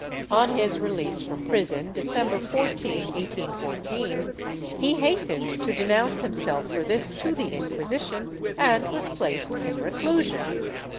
On his release from prison, December 14, 1814, he hastened to denounce himself for this to the Inquisition and was placed in reclusion.